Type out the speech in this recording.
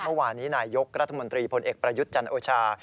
เมื่อวานนี้นายยกรัฐมนตรีพลเอกประยุทธ์จันโอชา